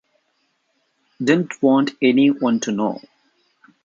Didn't want any one to know.